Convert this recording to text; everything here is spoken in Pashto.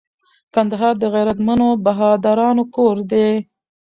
کندهار د غیرتمنو بهادرانو کور دي